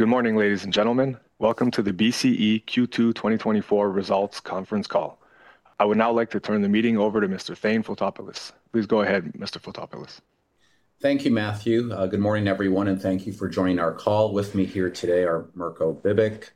Good morning, ladies and gentlemen. Welcome to the BCE Q2 2024 Results Conference Call. I would now like to turn the meeting over to Mr. Thane Fotopoulos. Please go ahead, Mr. Fotopoulos. Thank you, Matthew. Good morning, everyone, and thank you for joining our call. With me here today are Mirko Bibic,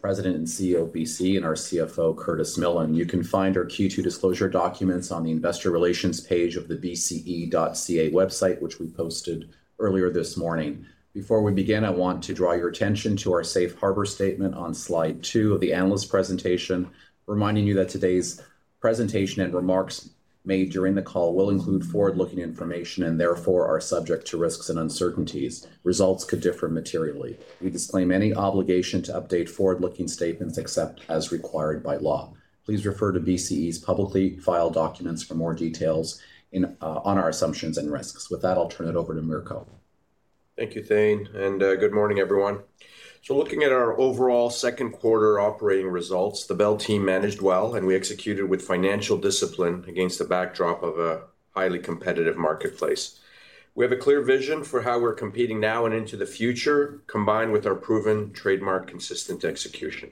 President and CEO of BCE, and our CFO, Curtis Millen. You can find our Q2 disclosure documents on the investor relations page of the bce.ca website, which we posted earlier this morning. Before we begin, I want to draw your attention to our safe harbor statement on slide 2 of the analyst presentation, reminding you that today's presentation and remarks made during the call will include forward-looking information and therefore are subject to risks and uncertainties. Results could differ materially. We disclaim any obligation to update forward-looking statements except as required by law. Please refer to BCE's publicly filed documents for more details on our assumptions and risks. With that, I'll turn it over to Mirko. Thank you, Thane, and good morning, everyone. So looking at our overall second quarter operating results, the Bell team managed well, and we executed with financial discipline against the backdrop of a highly competitive marketplace. We have a clear vision for how we're competing now and into the future, combined with our proven trademark consistent execution.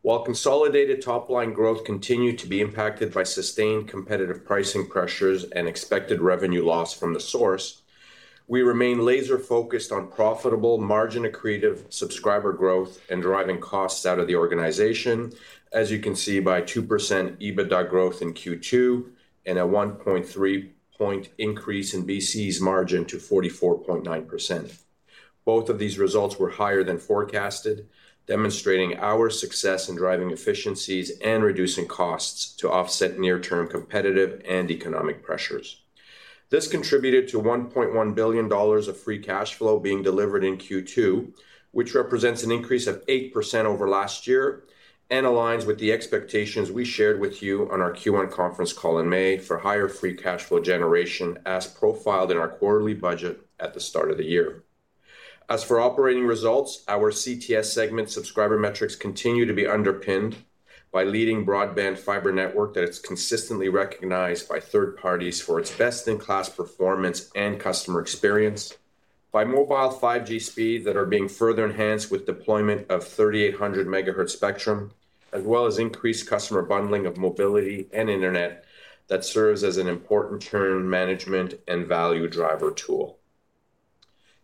While consolidated top-line growth continued to be impacted by sustained competitive pricing pressures and expected revenue loss from The Source, we remain laser-focused on profitable margin accretive subscriber growth and driving costs out of the organization, as you can see by 2% EBITDA growth in Q2 and a 1.3-point increase in BCE's margin to 44.9%. Both of these results were higher than forecasted, demonstrating our success in driving efficiencies and reducing costs to offset near-term competitive and economic pressures. This contributed to 1.1 billion dollars of free cash flow being delivered in Q2, which represents an increase of 8% over last year and aligns with the expectations we shared with you on our Q1 conference call in May for higher free cash flow generation, as profiled in our quarterly budget at the start of the year. As for operating results, our CTS segment subscriber metrics continue to be underpinned by leading broadband fiber network that is consistently recognized by third parties for its best-in-class performance and customer experience, by mobile 5G speed that are being further enhanced with deployment of 3,800 MHz spectrum, as well as increased customer bundling of mobility and internet that serves as an important churn management and value driver tool.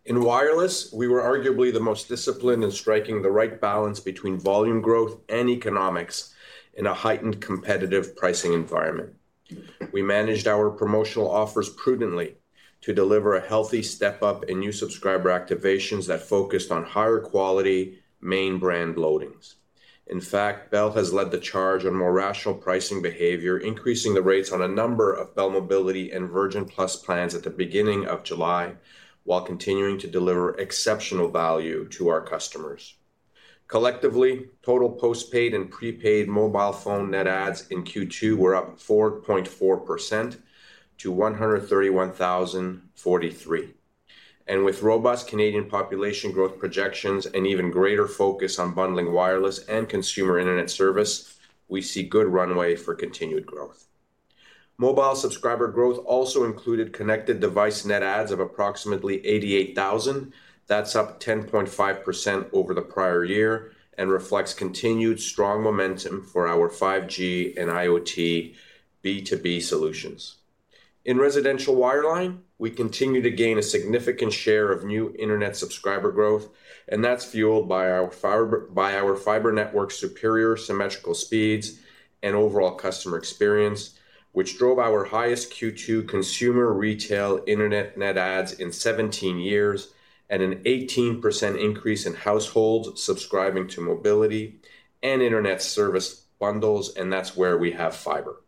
In wireless, we were arguably the most disciplined in striking the right balance between volume growth and economics in a heightened competitive pricing environment. We managed our promotional offers prudently to deliver a healthy step-up in new subscriber activations that focused on higher quality main brand loadings. In fact, Bell has led the charge on more rational pricing behavior, increasing the rates on a number of Bell Mobility and Virgin Plus plans at the beginning of July, while continuing to deliver exceptional value to our customers. Collectively, total postpaid and prepaid mobile phone net adds in Q2 were up 4.4% to 131,043. And with robust Canadian population growth projections and even greater focus on bundling wireless and consumer internet service, we see good runway for continued growth. Mobile subscriber growth also included connected device net adds of approximately 88,000. That's up 10.5% over the prior year and reflects continued strong momentum for our 5G and IoT B2B solutions. In residential wireline, we continue to gain a significant share of new internet subscriber growth, and that's fueled by our fiber network's superior symmetrical speeds and overall customer experience, which drove our highest Q2 consumer retail internet net adds in 17 years and an 18% increase in households subscribing to mobility and internet service bundles, and that's where we have fiber.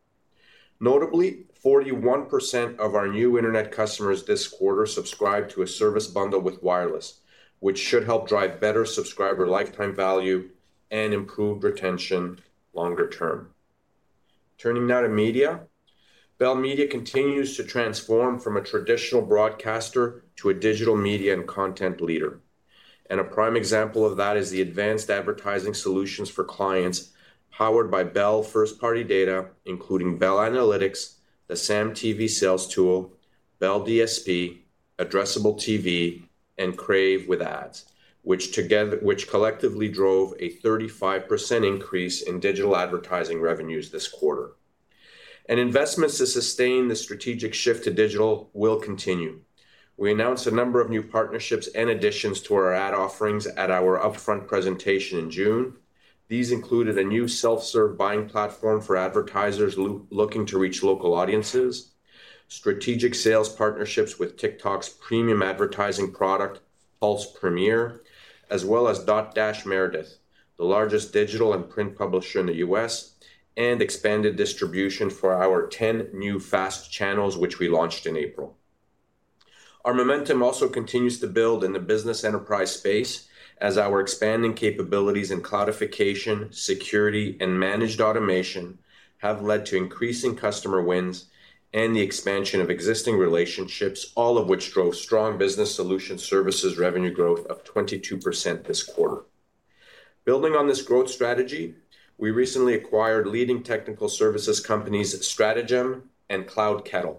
Notably, 41% of our new internet customers this quarter subscribed to a service bundle with wireless, which should help drive better subscriber lifetime value and improved retention longer term. Turning now to media. Bell Media continues to transform from a traditional broadcaster to a digital media and content leader. And a prime example of that is the advanced advertising solutions for clients powered by Bell first-party data, including Bell Analytics, the SAM TV sales tool, Bell DSP, Addressable TV, and Crave with ads, which together which collectively drove a 35% increase in digital advertising revenues this quarter. And investments to sustain the strategic shift to digital will continue. We announced a number of new partnerships and additions to our ad offerings at our upfront presentation in June. These included a new self-serve buying platform for advertisers looking to reach local audiences, strategic sales partnerships with TikTok's premium advertising product, Pulse Premiere, as well as Dotdash Meredith, the largest digital and print publisher in the U.S., and expanded distribution for our 10 new FAST channels, which we launched in April. Our momentum also continues to build in the business enterprise space as our expanding capabilities in cloudification, security, and managed automation have led to increasing customer wins and the expansion of existing relationships, all of which drove strong business solution services revenue growth of 22% this quarter. Building on this growth strategy, we recently acquired leading technical services companies, Stratejm and CloudKettle.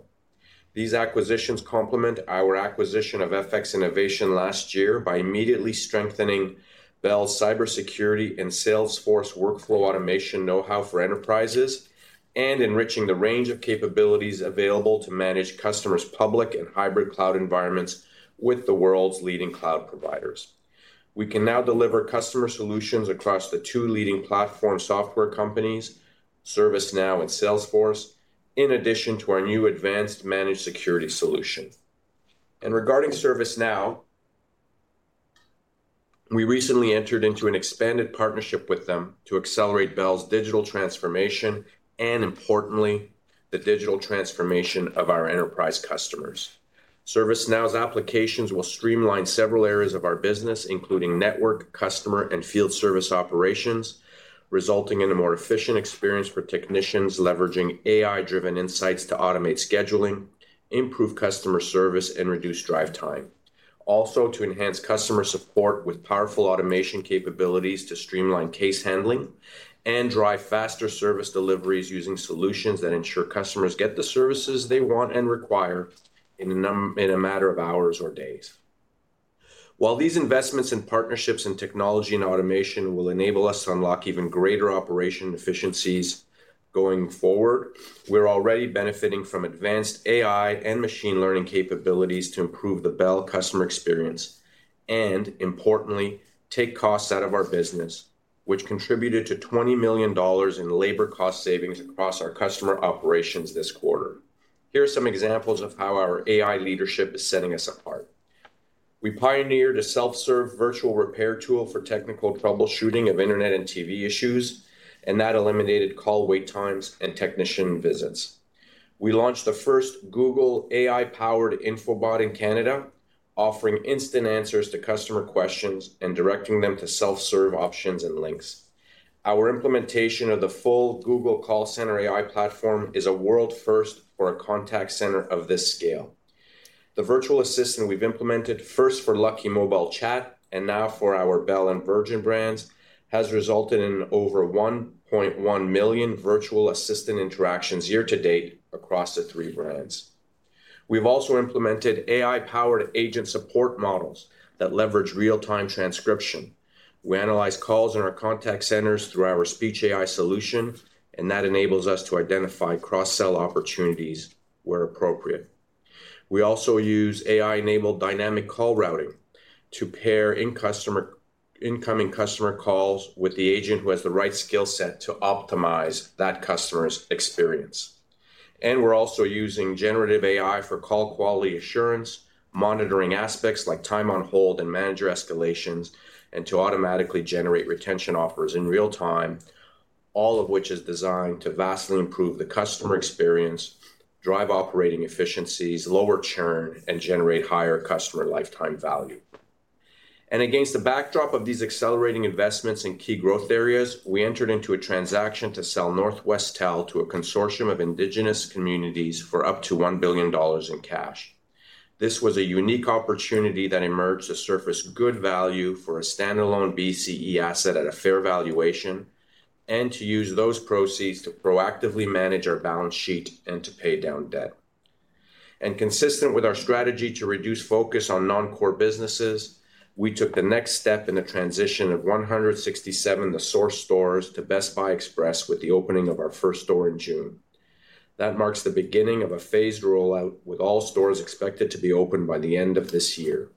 These acquisitions complement our acquisition of FX Innovation last year by immediately strengthening Bell's cybersecurity and Salesforce workflow automation know-how for enterprises, and enriching the range of capabilities available to manage customers' public and hybrid cloud environments with the world's leading cloud providers. We can now deliver customer solutions across the two leading platform software companies, ServiceNow and Salesforce, in addition to our new advanced managed security solution. And regarding ServiceNow, we recently entered into an expanded partnership with them to accelerate Bell's digital transformation, and importantly, the digital transformation of our enterprise customers. ServiceNow's applications will streamline several areas of our business, including network, customer, and field service operations, resulting in a more efficient experience for technicians, leveraging AI-driven insights to automate scheduling, improve customer service, and reduce drive time. Also, to enhance customer support with powerful automation capabilities to streamline case handling and drive faster service deliveries using solutions that ensure customers get the services they want and require in a matter of hours or days. While these investments in partnerships in technology and automation will enable us to unlock even greater operational efficiencies going forward, we're already benefiting from advanced AI and machine learning capabilities to improve the Bell customer experience, and importantly, take costs out of our business, which contributed to 20 million dollars in labor cost savings across our customer operations this quarter. Here are some examples of how our AI leadership is setting us apart. We pioneered a self-serve virtual repair tool for technical troubleshooting of internet and TV issues, and that eliminated call wait times and technician visits. We launched the first Google AI-powered info bot in Canada, offering instant answers to customer questions and directing them to self-serve options and links. Our implementation of the full Google Call Center AI platform is a world first for a contact center of this scale. The virtual assistant we've implemented, first for Lucky Mobile chat, and now for our Bell and Virgin brands, has resulted in over 1.1 million virtual assistant interactions year to date across the three brands. We've also implemented AI-powered agent support models that leverage real-time transcription. We analyze calls in our contact centers through our speech AI solution, and that enables us to identify cross-sell opportunities where appropriate. We also use AI-enabled dynamic call routing to pair incoming customer calls with the agent who has the right skill set to optimize that customer's experience. We're also using generative AI for call quality assurance, monitoring aspects like time on hold and manager escalations, and to automatically generate retention offers in real time, all of which is designed to vastly improve the customer experience, drive operating efficiencies, lower churn, and generate higher customer lifetime value. Against the backdrop of these accelerating investments in key growth areas, we entered into a transaction to sell Northwestel to a consortium of Indigenous communities for up to 1 billion dollars in cash. This was a unique opportunity that emerged to surface good value for a standalone BCE asset at a fair valuation, and to use those proceeds to proactively manage our balance sheet and to pay down debt. Consistent with our strategy to reduce focus on non-core businesses, we took the next step in the transition of 167 The Source stores to Best Buy Express with the opening of our first store in June. That marks the beginning of a phased rollout, with all stores expected to be open by the end of this year.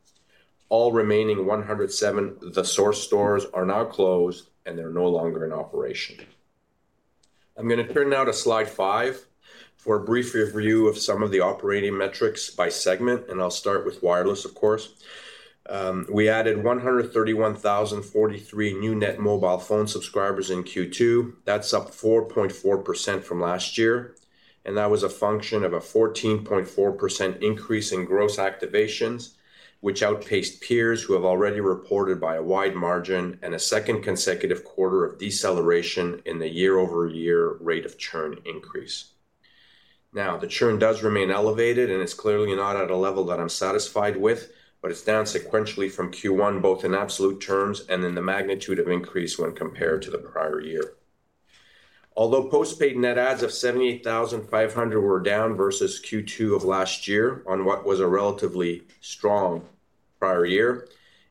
All remaining 107 The Source stores are now closed, and they're no longer in operation. I'm going to turn now to slide five for a brief review of some of the operating metrics by segment, and I'll start with wireless, of course. We added 131,043 new net mobile phone subscribers in Q2. That's up 4.4% from last year, and that was a function of a 14.4% increase in gross activations, which outpaced peers who have already reported by a wide margin and a second consecutive quarter of deceleration in the year-over-year rate of churn increase. Now, the churn does remain elevated, and it's clearly not at a level that I'm satisfied with, but it's down sequentially from Q1, both in absolute terms and in the magnitude of increase when compared to the prior year. Although postpaid net adds of 78,500 were down versus Q2 of last year on what was a relatively strong prior year,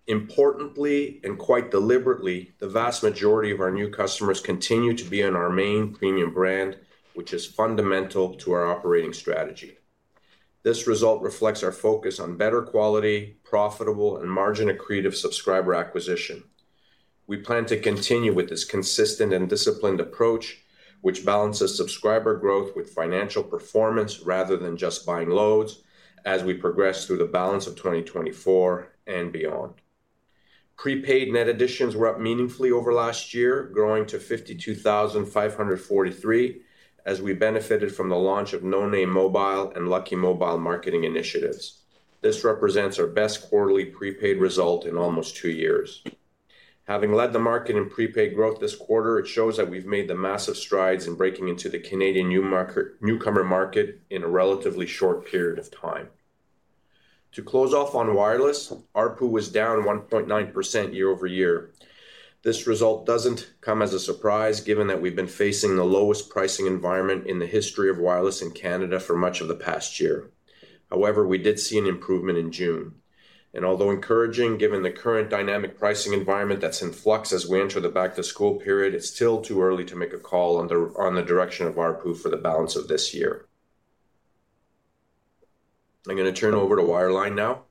importantly, and quite deliberately, the vast majority of our new customers continue to be in our main premium brand, which is fundamental to our operating strategy. This result reflects our focus on better quality, profitable, and margin-accretive subscriber acquisition. We plan to continue with this consistent and disciplined approach, which balances subscriber growth with financial performance rather than just buying loads, as we progress through the balance of 2024 and beyond. Prepaid net additions were up meaningfully over last year, growing to 52,543, as we benefited from the launch of No Name Mobile and Lucky Mobile marketing initiatives. This represents our best quarterly prepaid result in almost two years. Having led the market in prepaid growth this quarter, it shows that we've made the massive strides in breaking into the Canadian newcomer market in a relatively short period of time. To close off on wireless, ARPU was down 1.9% year-over-year. This result doesn't come as a surprise, given that we've been facing the lowest pricing environment in the history of wireless in Canada for much of the past year. However, we did see an improvement in June, and although encouraging, given the current dynamic pricing environment that's in flux as we enter the back-to-school period, it's still too early to make a call on the direction of ARPU for the balance of this year. I'm gonna turn over to wireline now.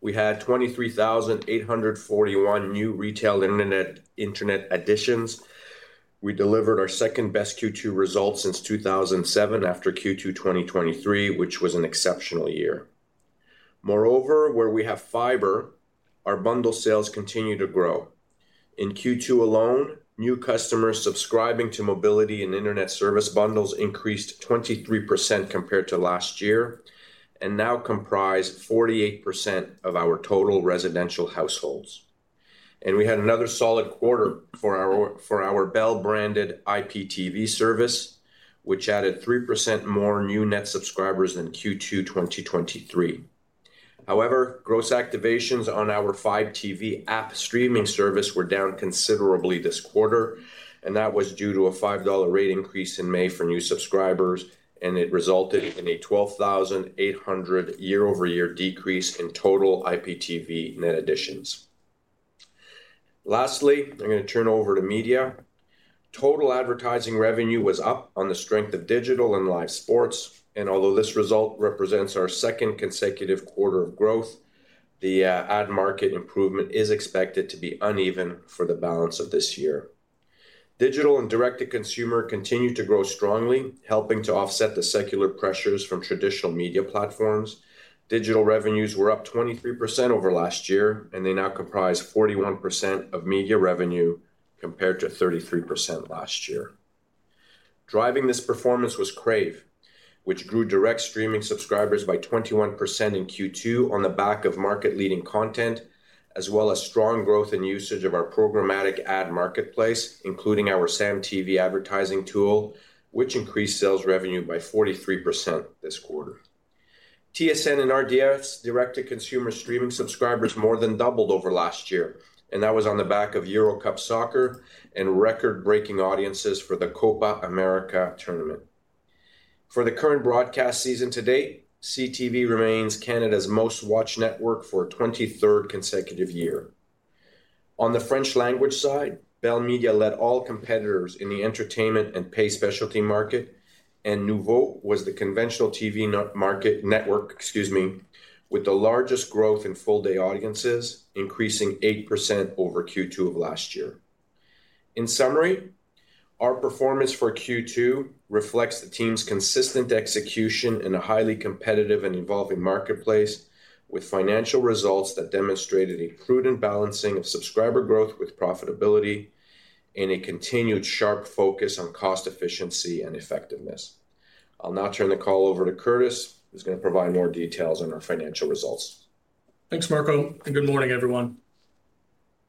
We had 23,841 new retail internet additions. We delivered our second-best Q2 result since 2007, after Q2 2023, which was an exceptional year. Moreover, where we have fiber, our bundle sales continue to grow. In Q2 alone, new customers subscribing to mobility and internet service bundles increased 23% compared to last year and now comprise 48% of our total residential households. And we had another solid quarter for our Bell-branded IPTV service, which added 3% more new net subscribers than Q2 2023. However, gross activations on our Fibe TV app streaming service were down considerably this quarter, and that was due to a 5 dollar rate increase in May for new subscribers, and it resulted in a 12,800 year-over-year decrease in total IPTV net additions. Lastly, I'm gonna turn over to Media. Total advertising revenue was up on the strength of digital and live sports, and although this result represents our second consecutive quarter of growth, the ad market improvement is expected to be uneven for the balance of this year. Digital and direct-to-consumer continued to grow strongly, helping to offset the secular pressures from traditional media platforms. Digital revenues were up 23% over last year, and they now comprise 41% of media revenue, compared to 33% last year. Driving this performance was Crave, which grew direct streaming subscribers by 21% in Q2 on the back of market-leading content, as well as strong growth in usage of our programmatic ad marketplace, including our SAM TV advertising tool, which increased sales revenue by 43% this quarter. TSN and RDS direct-to-consumer streaming subscribers more than doubled over last year, and that was on the back of Euro Cup soccer and record-breaking audiences for the Copa America tournament. For the current broadcast season to date, CTV remains Canada's most-watched network for a twenty-third consecutive year. On the French language side, Bell Media led all competitors in the entertainment and pay specialty market, and Noovo was the conventional TV network, excuse me, with the largest growth in full-day audiences, increasing 8% over Q2 of last year. In summary, our performance for Q2 reflects the team's consistent execution in a highly competitive and evolving marketplace, with financial results that demonstrated a prudent balancing of subscriber growth with profitability and a continued sharp focus on cost efficiency and effectiveness. I'll now turn the call over to Curtis, who's gonna provide more details on our financial results. Thanks, Mirko, and good morning, everyone.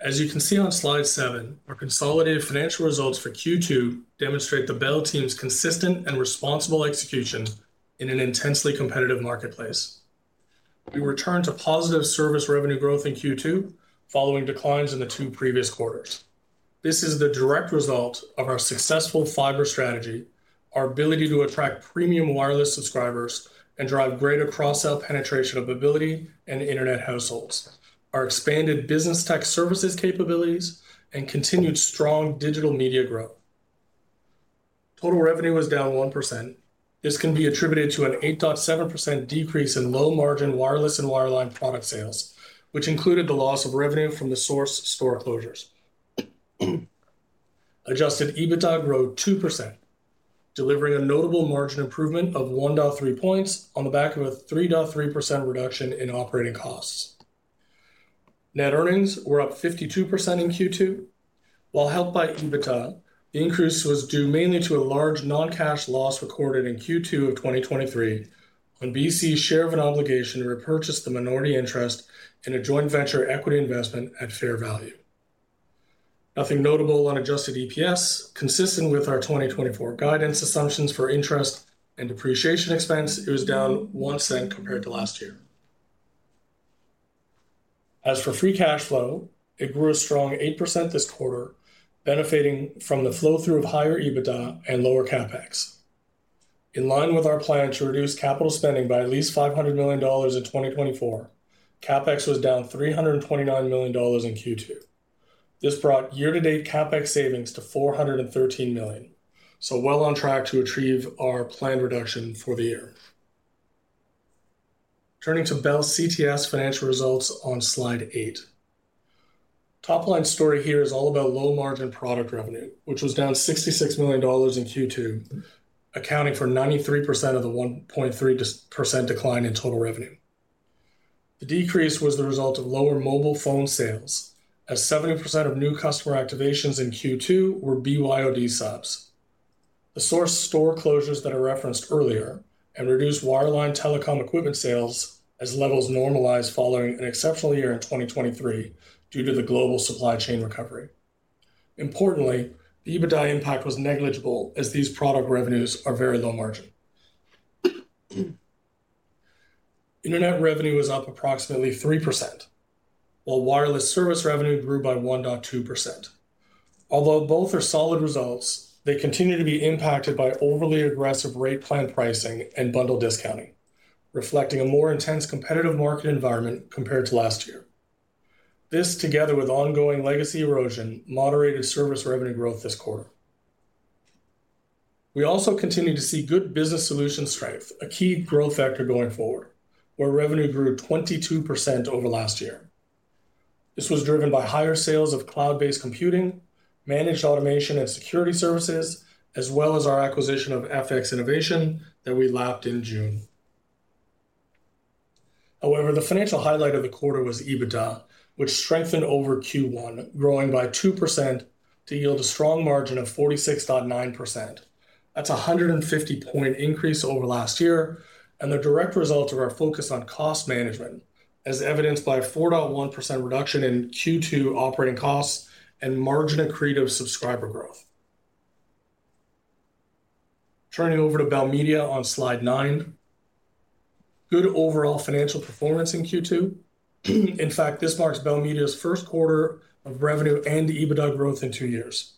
As you can see on slide seven, our consolidated financial results for Q2 demonstrate the Bell team's consistent and responsible execution in an intensely competitive marketplace. We returned to positive service revenue growth in Q2, following declines in the two previous quarters. This is the direct result of our successful fiber strategy, our ability to attract premium wireless subscribers, and drive greater cross-sell penetration of mobility and internet households, our expanded business tech services capabilities, and continued strong digital media growth. Total revenue was down 1%. This can be attributed to an 8.7% decrease in low-margin wireless and wireline product sales, which included the loss of revenue from The Source store closures. Adjusted EBITDA grew 2%, delivering a notable margin improvement of 1.3 points on the back of a 3.3% reduction in operating costs. Net earnings were up 52% in Q2. While helped by EBITDA, the increase was due mainly to a large non-cash loss recorded in Q2 of 2023, when BCE's share of an obligation repurchased the minority interest in a joint venture equity investment at fair value. Nothing notable on adjusted EPS. Consistent with our 2024 guidance assumptions for interest and depreciation expense, it was down 0.01 compared to last year. As for free cash flow, it grew a strong 8% this quarter, benefiting from the flow-through of higher EBITDA and lower CapEx. In line with our plan to reduce capital spending by at least 500 million dollars in 2024, CapEx was down 329 million dollars in Q2. This brought year-to-date CapEx savings to 413 million, so well on track to retrieve our planned reduction for the year. Turning to Bell CTS financial results on Slide eight. Top-line story here is all about low-margin product revenue, which was down 66 million dollars in Q2, accounting for 93% of the 1.3% decline in total revenue. The decrease was the result of lower mobile phone sales, as 70% of new customer activations in Q2 were BYOD subs, The Source store closures that I referenced earlier, and reduced wireline telecom equipment sales as levels normalized following an exceptional year in 2023 due to the global supply chain recovery. Importantly, the EBITDA impact was negligible, as these product revenues are very low margin. Internet revenue was up approximately 3%, while wireless service revenue grew by 1.2%. Although both are solid results, they continue to be impacted by overly aggressive rate plan pricing and bundle discounting, reflecting a more intense competitive market environment compared to last year. This, together with ongoing legacy erosion, moderated service revenue growth this quarter. We also continue to see good business solution strength, a key growth factor going forward, where revenue grew 22% over last year. This was driven by higher sales of cloud-based computing, managed automation and security services, as well as our acquisition of FX Innovation that we lapped in June. However, the financial highlight of the quarter was EBITDA, which strengthened over Q1, growing by 2% to yield a strong margin of 46.9%. That's a 150-point increase over last year, and the direct result of our focus on cost management, as evidenced by a 4.1% reduction in Q2 operating costs and margin accretive subscriber growth. Turning over to Bell Media on Slide nine. Good overall financial performance in Q2. In fact, this marks Bell Media's first quarter of revenue and EBITDA growth in 2 years.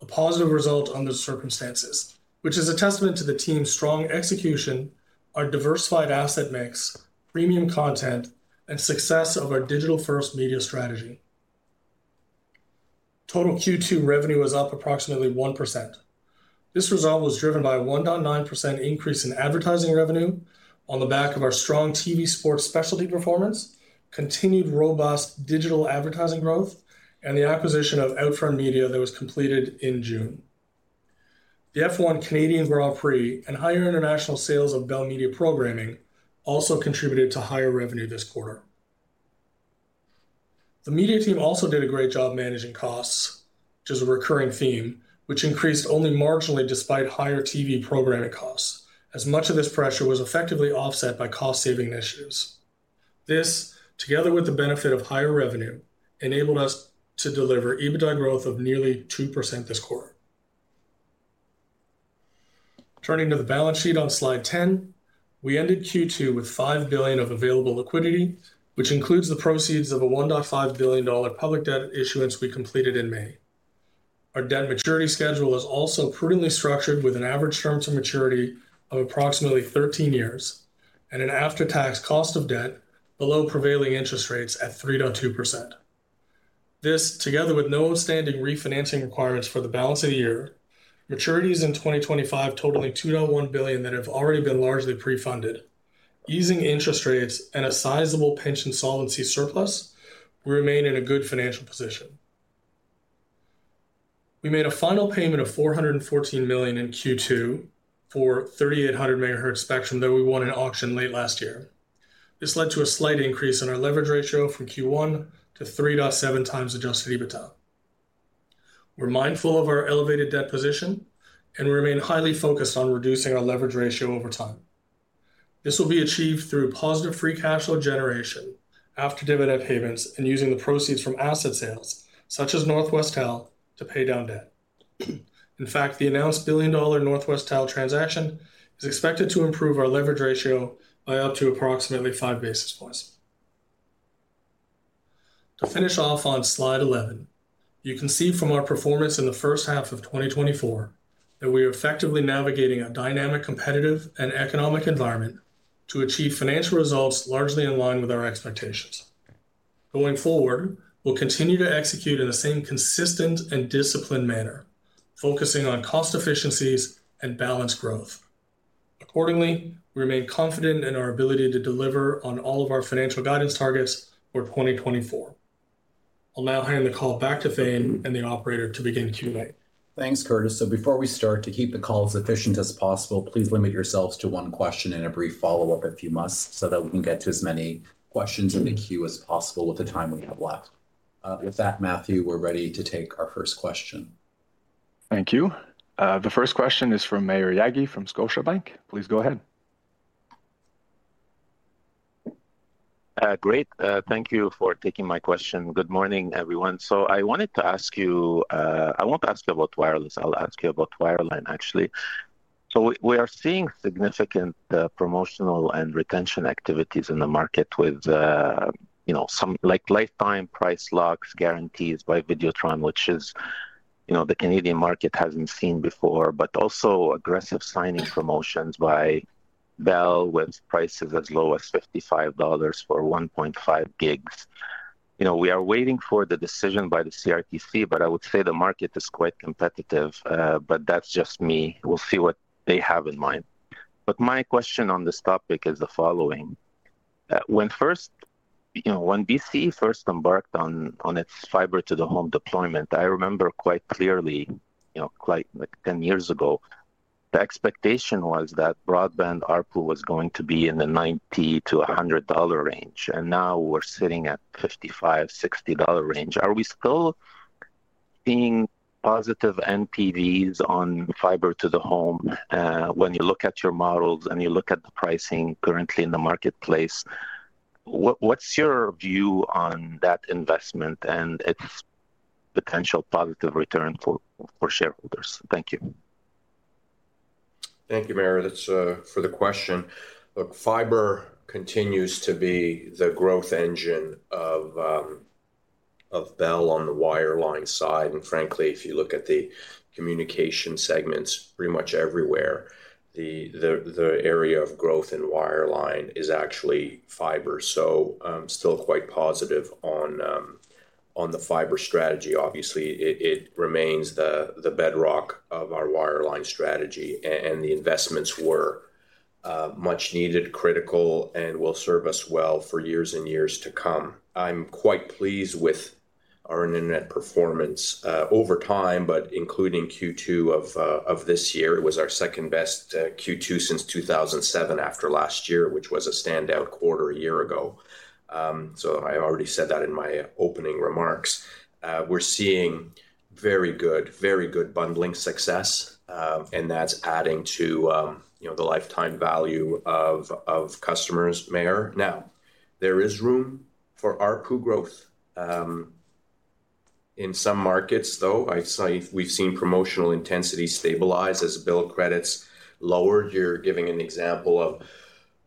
A positive result under the circumstances, which is a testament to the team's strong execution, our diversified asset mix, premium content, and success of our digital-first media strategy. Total Q2 revenue was up approximately 1%. This result was driven by a 1.9% increase in advertising revenue on the back of our strong TV sports specialty performance, continued robust digital advertising growth, and the acquisition of OUTFRONT Media that was completed in June. The F1 Canadian Grand Prix and higher international sales of Bell Media programming also contributed to higher revenue this quarter. The media team also did a great job managing costs, which is a recurring theme, which increased only marginally despite higher TV programming costs, as much of this pressure was effectively offset by cost-saving initiatives. This, together with the benefit of higher revenue, enabled us to deliver EBITDA growth of nearly 2% this quarter. Turning to the balance sheet on slide 10, we ended Q2 with 5 billion of available liquidity, which includes the proceeds of a 1.5 billion dollar public debt issuance we completed in May. Our debt maturity schedule is also prudently structured, with an average term to maturity of approximately 13 years and an after-tax cost of debt below prevailing interest rates at 3.2%. This, together with no outstanding refinancing requirements for the balance of the year, maturities in 2025 totaling 2.1 billion that have already been largely pre-funded, easing interest rates and a sizable pension solvency surplus, we remain in a good financial position. We made a final payment of 414 million in Q2 for 3,800 MHz spectrum that we won in auction late last year. This led to a slight increase in our leverage ratio from Q1 to 3.7 times adjusted EBITDA. We're mindful of our elevated debt position and remain highly focused on reducing our leverage ratio over time. This will be achieved through positive free cash flow generation after dividend payments and using the proceeds from asset sales, such as Northwestel, to pay down debt. In fact, the announced billion-dollar Northwestel transaction is expected to improve our leverage ratio by up to approximately 5 basis points. To finish off on slide 11, you can see from our performance in the first half of 2024 that we are effectively navigating a dynamic, competitive, and economic environment to achieve financial results largely in line with our expectations. Going forward, we'll continue to execute in the same consistent and disciplined manner, focusing on cost efficiencies and balanced growth. Accordingly, we remain confident in our ability to deliver on all of our financial guidance targets for 2024. I'll now hand the call back to Thane and the operator to begin Q&A. Thanks, Curtis. Before we start, to keep the call as efficient as possible, please limit yourselves to one question and a brief follow-up if you must, so that we can get to as many questions in the queue as possible with the time we have left. With that, Matthew, we're ready to take our first question. Thank you. The first question is from Maher Yaghi from Scotiabank. Please go ahead. Great. Thank you for taking my question. Good morning, everyone. So I wanted to ask you. I won't ask you about wireless, I'll ask you about wireline, actually. So we are seeing significant promotional and retention activities in the market with, you know, some, like, lifetime price locks, guarantees by Videotron, which is, you know, the Canadian market hasn't seen before, but also aggressive signing promotions by Bell, with prices as low as 55 dollars for 1.5 gigs. You know, we are waiting for the decision by the CRTC, but I would say the market is quite competitive, but that's just me. We'll see what they have in mind. My question on this topic is the following: you know, when BCE first embarked on its fiber to the home deployment, I remember quite clearly, you know, quite like 10 years ago, the expectation was that broadband ARPU was going to be in the 90-100 dollar range, and now we're sitting at 55-60 dollar range. Are we still seeing positive NPVs on fiber to the home, when you look at your models and you look at the pricing currently in the marketplace? What's your view on that investment and its potential positive return for shareholders? Thank you. Thank you, Maher, that's for the question. Look, fiber continues to be the growth engine of Bell on the wireline side. And frankly, if you look at the communication segments pretty much everywhere, the area of growth in wireline is actually fiber. So, still quite positive on the fiber strategy. Obviously, it remains the bedrock of our wireline strategy. And the investments were much needed, critical, and will serve us well for years and years to come. I'm quite pleased with our internet performance over time, but including Q2 of this year. It was our second best Q2 since 2007, after last year, which was a standout quarter a year ago. So I already said that in my opening remarks. We're seeing very good, very good bundling success, and that's adding to, you know, the lifetime value of customers, Maher. Now, there is room for ARPU growth. In some markets, though, we've seen promotional intensity stabilize as bill credits lowered. You're giving an example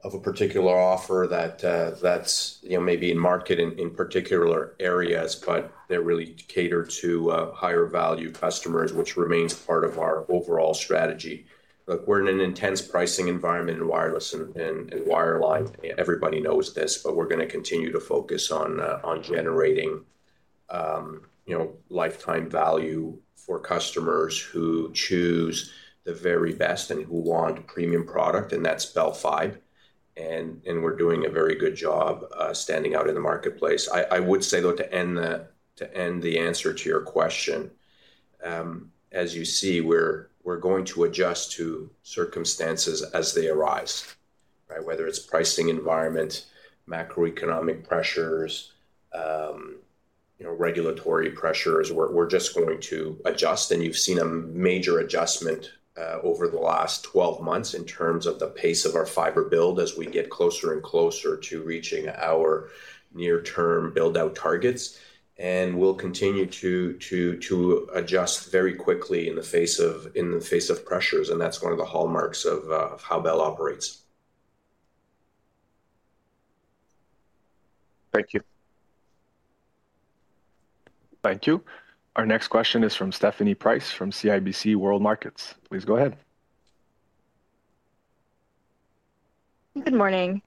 of a particular offer that's, you know, maybe in market in particular areas, but they really cater to higher value customers, which remains part of our overall strategy. Look, we're in an intense pricing environment in wireless and in wireline. Everybody knows this, but we're gonna continue to focus on generating, you know, lifetime value for customers who choose the very best and who want premium product, and that's Bell Fibe. And we're doing a very good job standing out in the marketplace. I would say, though, to end the answer to your question, as you see, we're going to adjust to circumstances as they arise, right? Whether it's pricing environment, macroeconomic pressures, you know, regulatory pressures, we're just going to adjust. And you've seen a major adjustment over the last 12 months in terms of the pace of our fiber build as we get closer and closer to reaching our near-term build-out targets. And we'll continue to adjust very quickly in the face of pressures, and that's one of the hallmarks of how Bell operates. Thank you. Thank you. Our next question is from Stephanie Price, from CIBC World Markets. Please go ahead. Good morning.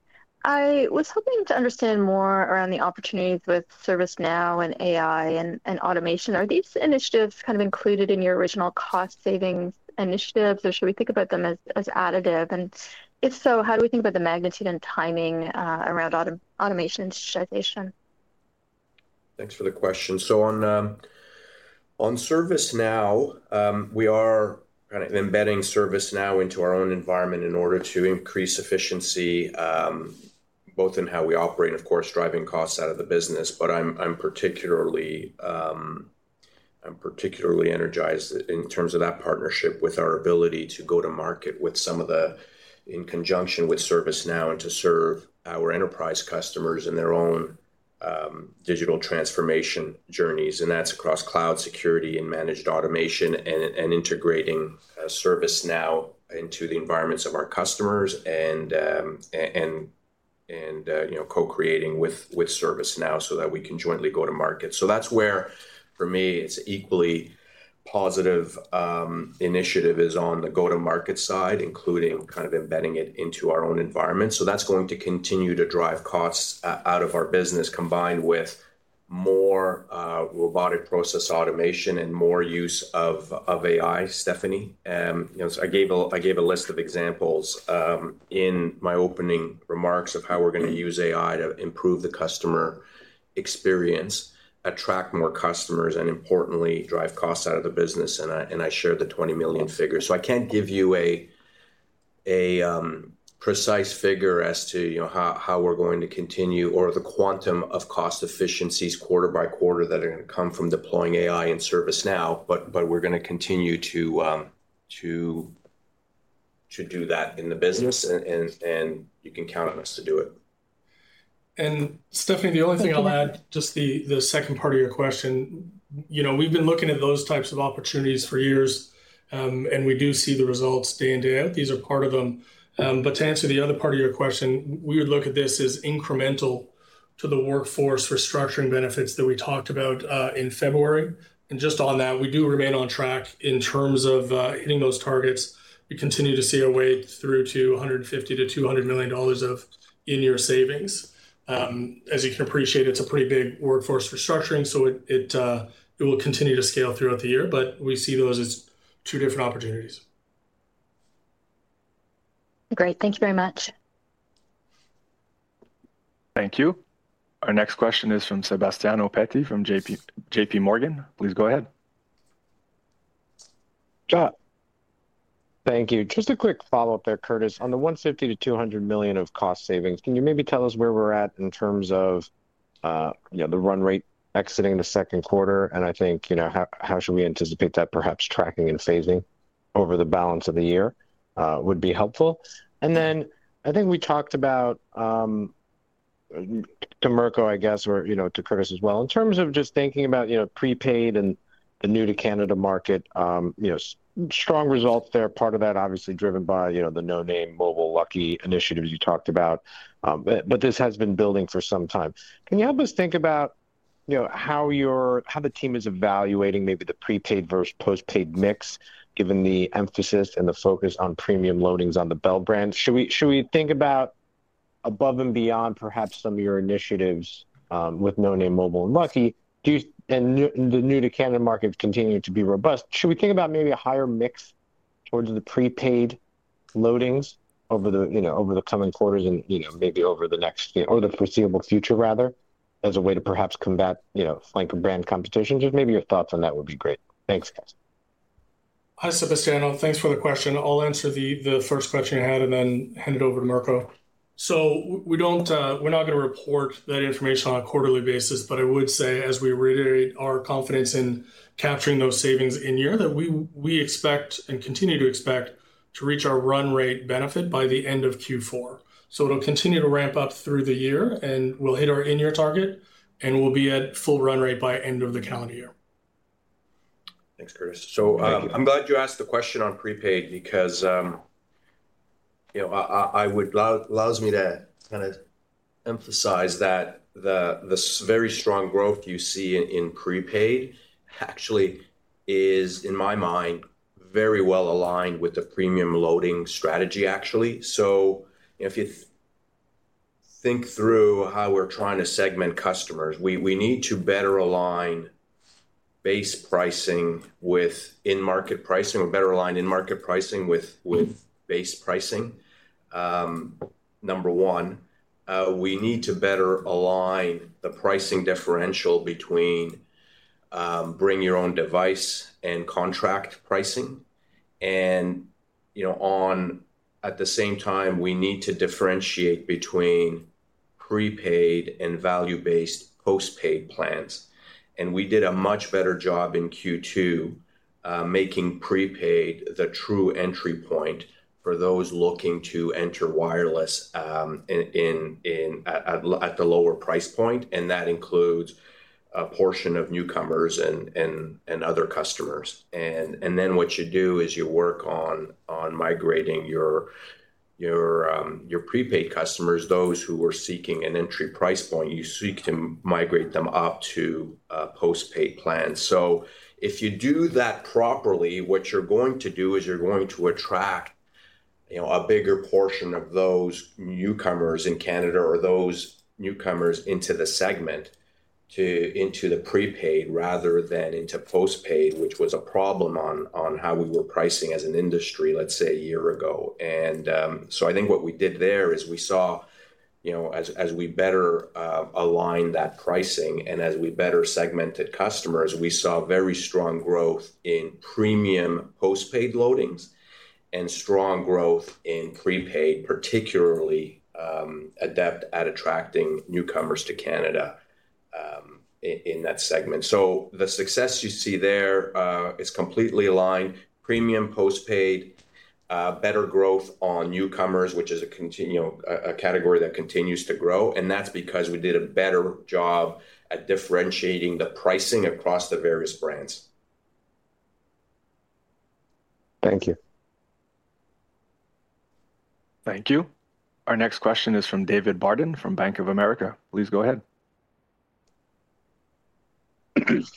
I was hoping to understand more around the opportunities with ServiceNow and AI and automation. Are these initiatives kind of included in your original cost savings initiatives, or should we think about them as additive? If so, how do we think about the magnitude and timing around automation digitization? Thanks for the question. So on ServiceNow, we are kind of embedding ServiceNow into our own environment in order to increase efficiency, both in how we operate, of course, driving costs out of the business. But I'm particularly energized in terms of that partnership with our ability to go to market with some of the in conjunction with ServiceNow, and to serve our enterprise customers in their own digital transformation journeys, and that's across cloud security and managed automation, and integrating ServiceNow into the environments of our customers, and you know, co-creating with ServiceNow so that we can jointly go to market. So that's where, for me, it's equally positive, initiative is on the go-to-market side, including kind of embedding it into our own environment. So that's going to continue to drive costs out of our business, combined with more robotic process automation and more use of AI, Stephanie. You know, so I gave a list of examples in my opening remarks of how we're gonna use AI to improve the customer experience, attract more customers, and importantly, drive costs out of the business, and I shared the 20 million figure. So I can't give you a precise figure as to, you know, how we're going to continue, or the quantum of cost efficiencies quarter by quarter that are gonna come from deploying AI in ServiceNow, but we're gonna continue to do that in the business, and you can count on us to do it. Stephanie, the only thing I'll add, just the second part of your question. You know, we've been looking at those types of opportunities for years, and we do see the results day in, day out. These are part of them. But to answer the other part of your question, we would look at this as incremental to the workforce restructuring benefits that we talked about in February. And just on that, we do remain on track in terms of hitting those targets. We continue to see a way through to 150 million-200 million dollars of in-year savings. As you can appreciate, it's a pretty big workforce restructuring, so it will continue to scale throughout the year, but we see those as two different opportunities. Great. Thank you very much. Thank you. Our next question is from Sebastiano Petti from JPMorgan. Please go ahead. Sure. Thank you. Just a quick follow-up there, Curtis. On the 150 million-200 million of cost savings, can you maybe tell us where we're at in terms of the run rate exiting the second quarter, and I think, you know, how should we anticipate that perhaps tracking and phasing over the balance of the year would be helpful. Then I think we talked about to Mirko, I guess, or, you know, to Curtis as well. In terms of just thinking about, you know, prepaid and the new to Canada market, you know, strong results there. Part of that obviously driven by, you know, the No Name Mobile Lucky initiatives you talked about, but this has been building for some time. Can you help us think about, you know, how your, how the team is evaluating maybe the prepaid versus postpaid mix, given the emphasis and the focus on premium loadings on the Bell brand? Should we, should we think about above and beyond perhaps some of your initiatives with No Name Mobile and Lucky Mobile? The new-to-Canada markets continuing to be robust, should we think about maybe a higher mix towards the prepaid loadings over the, you know, over the coming quarters and, you know, maybe over the next, you know, or the foreseeable future, rather, as a way to perhaps combat, you know, flank brand competition? Just maybe your thoughts on that would be great. Thanks, guys. Hi, Sebastiano. Thanks for the question. I'll answer the first question you had and then hand it over to Mirko. So we don't we're not going to report that information on a quarterly basis, but I would say, as we reiterate our confidence in capturing those savings in year, that we expect and continue to expect to reach our run rate benefit by the end of Q4. So it'll continue to ramp up through the year, and we'll hit our in-year target, and we'll be at full run rate by end of the calendar year. Thanks, Curtis. So, I'm glad you asked the question on prepaid because, you know, allows me to kind of emphasize that the very strong growth you see in prepaid actually is, in my mind, very well aligned with the premium loading strategy, actually. So if you think through how we're trying to segment customers, we need to better align base pricing with in-market pricing, or better align in-market pricing with base pricing. Number one, we need to better align the pricing differential between bring your own device and contract pricing. And, you know, at the same time, we need to differentiate between prepaid and value-based postpaid plans. We did a much better job in Q2 making prepaid the true entry point for those looking to enter wireless in at the lower price point, and that includes a portion of newcomers and other customers. Then what you do is you work on migrating your prepaid customers, those who are seeking an entry price point, you seek to migrate them up to a postpaid plan. So if you do that properly, what you're going to do is you're going to attract, you know, a bigger portion of those newcomers in Canada or those newcomers into the segment to the prepaid rather than into postpaid, which was a problem on how we were pricing as an industry, let's say, a year ago. So I think what we did there is we saw, you know, as we better align that pricing and as we better segmented customers, we saw very strong growth in premium postpaid loadings and strong growth in prepaid, particularly adept at attracting newcomers to Canada in that segment. So the success you see there is completely aligned. Premium postpaid better growth on newcomers, which is a category that continues to grow, and that's because we did a better job at differentiating the pricing across the various brands. Thank you. Thank you. Our next question is from David Barden, from Bank of America. Please go ahead.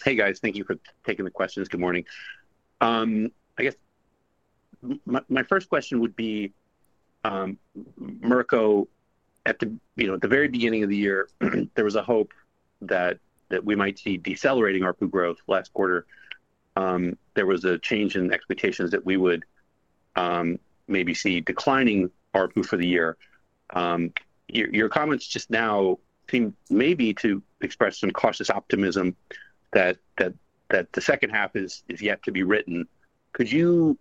Hey, guys. Thank you for taking the questions. Good morning. I guess my first question would be, Mirko, at the, you know, at the very beginning of the year, there was a hope that we might see decelerating ARPU growth. Last quarter, there was a change in expectations that we would maybe see declining ARPU for the year. Your comments just now seem maybe to express some cautious optimism that the second half is yet to be written. Could you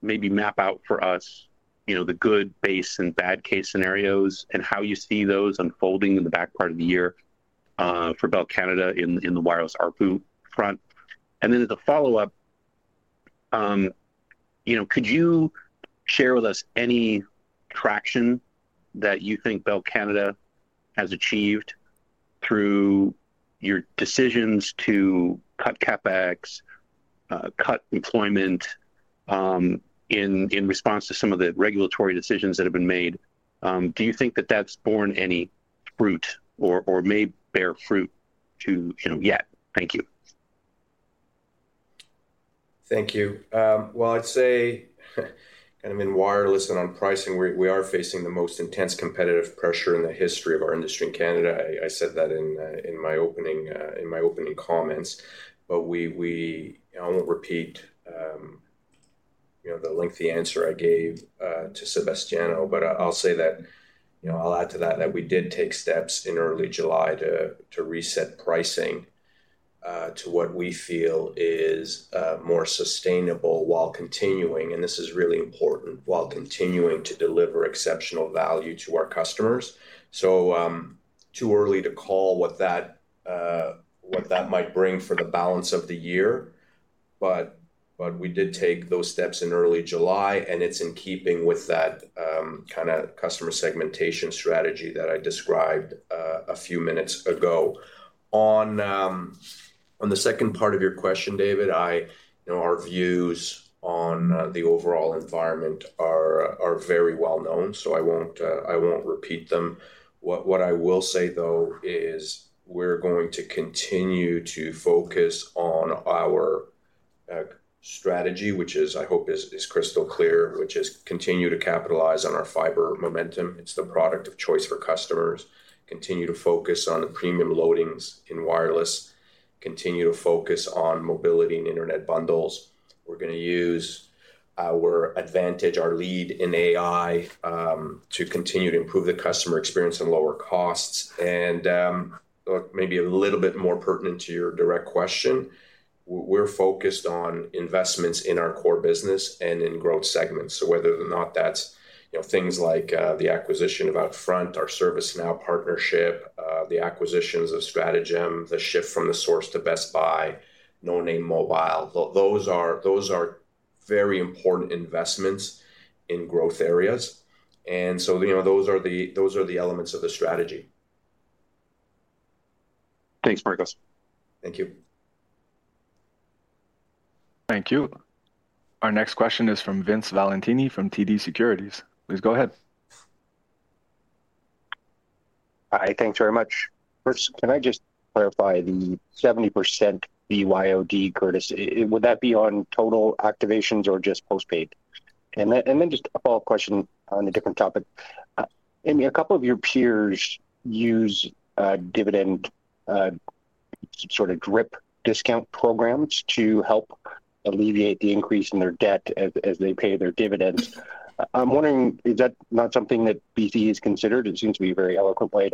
maybe map out for us, you know, the good base and bad case scenarios and how you see those unfolding in the back part of the year, for Bell Canada in the wireless ARPU front? And then as a follow-up, you know, could you share with us any traction that you think Bell Canada has achieved through your decisions to cut CapEx, cut employment, in response to some of the regulatory decisions that have been made? Do you think that that's borne any fruit or may bear fruit to, you know, yet? Thank you. Thank you. Well, I'd say, kind of in wireless and on pricing, we are facing the most intense competitive pressure in the history of our industry in Canada. I said that in my opening comments. But I won't repeat, you know, the lengthy answer I gave to Sebastiano, but I'll say that, you know, I'll add to that, that we did take steps in early July to reset pricing to what we feel is more sustainable while continuing, and this is really important, while continuing to deliver exceptional value to our customers. So, too early to call what that might bring for the balance of the year, but we did take those steps in early July, and it's in keeping with that kind of customer segmentation strategy that I described a few minutes ago. On the second part of your question, David, you know, our views on the overall environment are very well known, so I won't repeat them. What I will say, though, is we're going to continue to focus on our strategy, which is, I hope is crystal clear, which is continue to capitalize on our fiber momentum. It's the product of choice for customers. Continue to focus on the premium loadings in wireless. Continue to focus on mobility and internet bundles. We're gonna use our advantage, our lead in AI, to continue to improve the customer experience and lower costs. And, look, maybe a little bit more pertinent to your direct question, we're focused on investments in our core business and in growth segments. So whether or not that's, you know, things like, the acquisition of OUTFRONT, our ServiceNow partnership, the acquisitions of Stratejm, the shift from The Source to Best Buy, No Name Mobile, those are, those are very important investments in growth areas. And so, you know, those are the, those are the elements of the strategy. Thanks, Mirko. Thank you. Thank you. Our next question is from Vince Valentini, from TD Securities. Please go ahead. Hi, thanks very much. First, can I just clarify the 70% BYOD Curtis? Would that be on total activations or just postpaid? And then just a follow-up question on a different topic. I mean, a couple of your peers use dividend sort of DRIP discount programs to help alleviate the increase in their debt as they pay their dividends. I'm wondering, is that not something that BC has considered? It seems to be a very eloquent way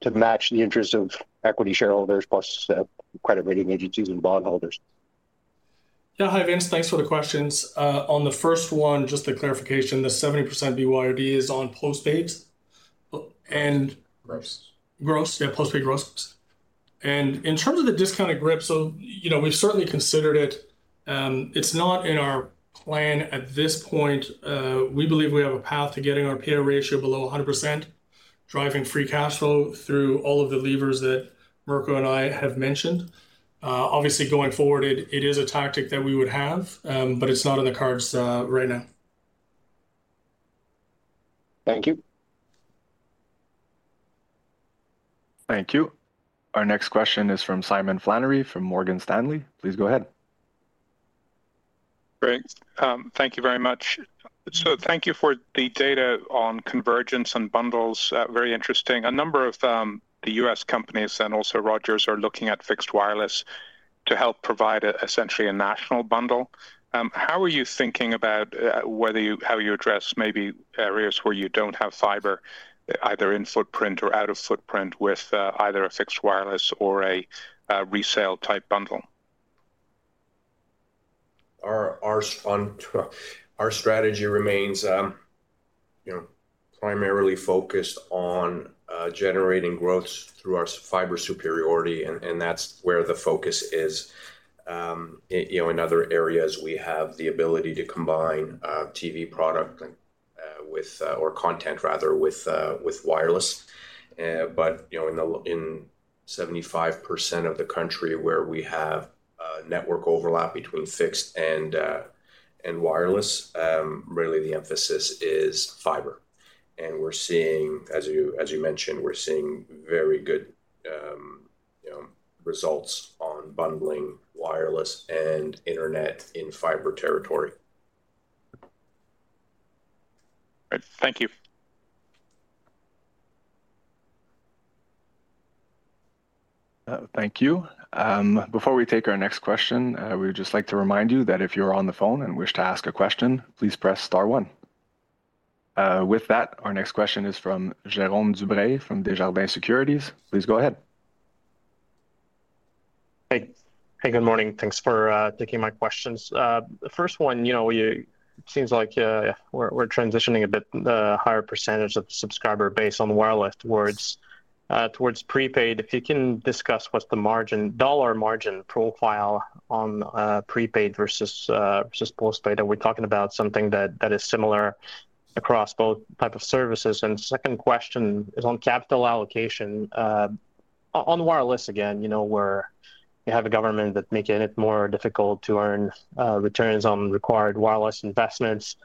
to match the interests of equity shareholders, plus credit rating agencies and bondholders. Yeah. Hi, Vince. Thanks for the questions. On the first one, just a clarification, the 70% BYOD is on postpaids, and- Gross. Gross. Yeah, postpaid gross. And in terms of the discounted DRIP, so, you know, we've certainly considered it. It's not in our plan at this point. We believe we have a path to getting our payout ratio below 100%, driving free cash flow through all of the levers that Mirko and I have mentioned. Obviously, going forward, it is a tactic that we would have, but it's not in the cards right now. Thank you. Thank you. Our next question is from Simon Flannery, from Morgan Stanley. Please go ahead. Great. Thank you very much. So thank you for the data on convergence and bundles, very interesting. A number of the U.S. companies and also Rogers are looking at fixed wireless to help provide, essentially, a national bundle. How are you thinking about how you address maybe areas where you don't have fiber, either in footprint or out of footprint, with either a fixed wireless or a resale-type bundle? Our strategy remains, you know, primarily focused on generating growth through our fiber superiority, and that's where the focus is. You know, in other areas, we have the ability to combine TV product and, or content, rather, with wireless. But, you know, in 75% of the country where we have network overlap between fixed and wireless, really the emphasis is fiber. And we're seeing, as you mentioned, we're seeing very good, you know, results on bundling wireless and internet in fiber territory. Great. Thank you. Thank you. Before we take our next question, we would just like to remind you that if you're on the phone and wish to ask a question, please press star one. With that, our next question is from Jérôme Dubreuil, from Desjardins Securities. Please go ahead. Hey. Hey, good morning. Thanks for taking my questions. The first one, you know, seems like we're transitioning a bit the higher percentage of the subscriber base on the wireless towards prepaid. If you can, discuss what's the margin, dollar margin profile on prepaid versus postpaid. Are we talking about something that is similar across both type of services? And second question is on capital allocation. On wireless, again, you know, where you have a government that make it more difficult to earn returns on required wireless investments.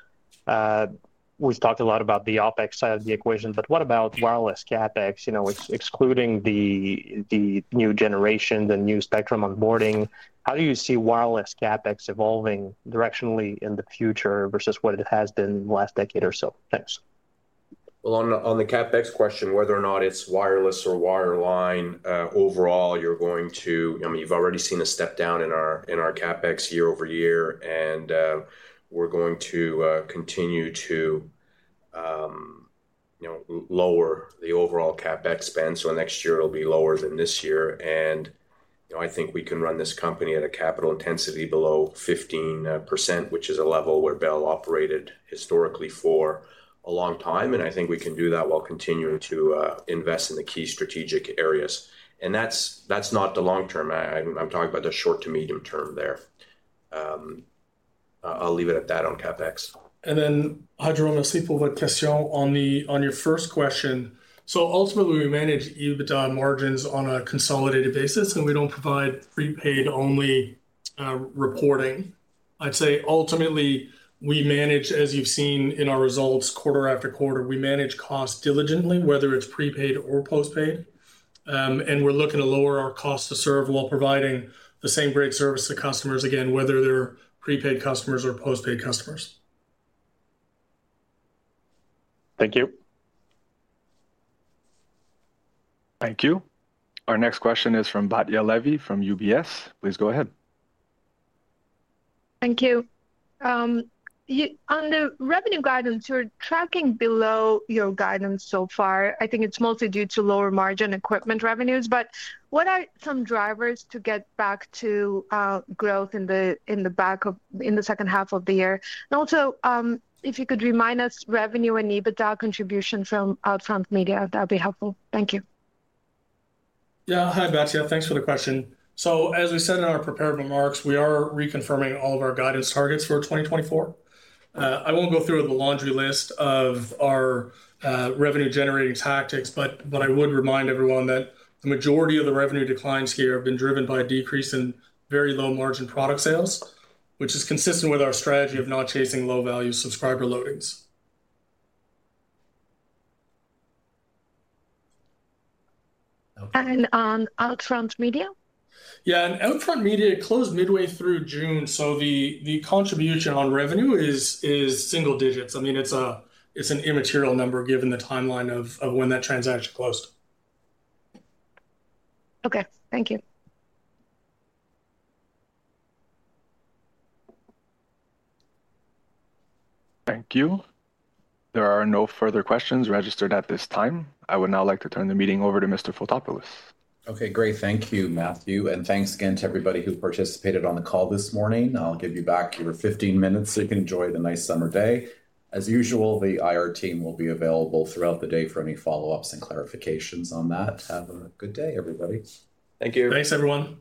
We've talked a lot about the OpEx side of the equation, but what about wireless CapEx? You know, excluding the new generation, the new spectrum onboarding, how do you see wireless CapEx evolving directionally in the future versus what it has been in the last decade or so? Thanks. Well, on the CapEx question, whether or not it's wireless or wireline, overall, I mean, you've already seen a step down in our CapEx year-over-year, and we're going to continue to, you know, lower the overall CapEx spend, so next year it'll be lower than this year. And, you know, I think we can run this company at a capital intensity below 15%, which is a level where Bell operated historically for a long time. And I think we can do that while continuing to invest in the key strategic areas. And that's not the long term. I'm talking about the short to medium term there. I'll leave it at that on CapEx. And then, Jérôme, on a simple question on the, on your first question. So ultimately, we manage EBITDA margins on a consolidated basis, and we don't provide prepaid-only reporting. I'd say, ultimately, we manage as you've seen in our results quarter after quarter, we manage costs diligently, whether it's prepaid or postpaid. And we're looking to lower our cost to serve while providing the same great service to customers, again, whether they're prepaid customers or postpaid customers. Thank you. Thank you. Our next question is from Batya Levi from UBS. Please go ahead. Thank you. On the revenue guidance, you're tracking below your guidance so far. I think it's mostly due to lower margin equipment revenues. But what are some drivers to get back to growth in the second half of the year? And also, if you could remind us revenue and EBITDA contribution from OUTFRONT Media, that'd be helpful. Thank you. Yeah. Hi, Batya. Thanks for the question. So as we said in our prepared remarks, we are reconfirming all of our guidance targets for 2024. I won't go through the laundry list of our revenue-generating tactics, but, but I would remind everyone that the majority of the revenue declines here have been driven by a decrease in very low-margin product sales, which is consistent with our strategy of not chasing low-value subscriber loadings. And on OUTFRONT Media? Yeah, OUTFRONT Media closed midway through June, so the contribution on revenue is single digits. I mean, it's a It's an immaterial number, given the timeline of when that transaction closed. Okay, thank you. Thank you. There are no further questions registered at this time. I would now like to turn the meeting over to Mr. Fotopoulos. Okay, great. Thank you, Matthew, and thanks again to everybody who participated on the call this morning. I'll give you back your 15 minutes, so you can enjoy the nice summer day. As usual, the IR team will be available throughout the day for any follow-ups and clarifications on that. Have a good day, everybody. Thank you. Thanks, everyone.